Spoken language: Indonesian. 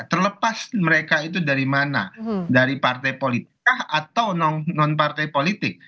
terlepas mereka itu dari mana dari partai politik kah atau non partai politik